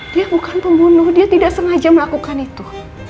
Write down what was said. dia bukan pembunuh dia tidak sengaja melakukan itu